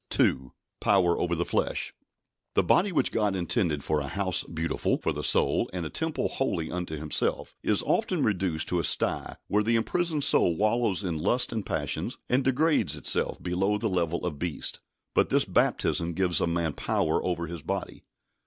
2. Power over the flesh. The body which God intended for a "house beautiful" for the soul, and a temple holy unto Himself, is often reduced to a sty, where the imprisoned soul wallows in lusts and passions, and degrades itself below the level of beasts. But this baptism gives a man power over his body.